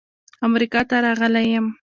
امریکا ته راغلی یم.